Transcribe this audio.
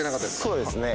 そうですね。